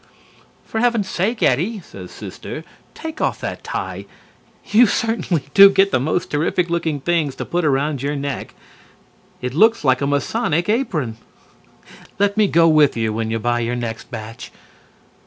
"For heaven's sake, Eddie," says Sister, "take off that tie. You certainly do get the most terrific looking things to put around your neck. It looks like a Masonic apron. Let me go with you when you buy your next batch."